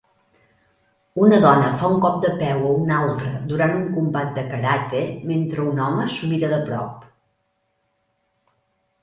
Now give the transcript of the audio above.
Una dona fa un cop de peu a una altra durant un combat de karate mentre un home s'ho mira de prop.